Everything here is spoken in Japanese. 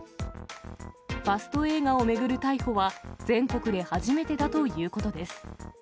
ファスト映画を巡る逮捕は、全国で初めてだということです。